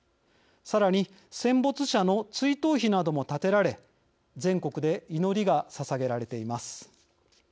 さらに戦没者の追悼碑なども建てられ全国で祈りがささげられています。